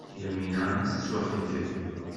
Yamina ad tettwaxeyyeb.